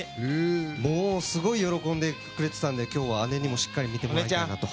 もうすごく喜んでくれていたので今日は姉にもしっかり見てもらいたいなと。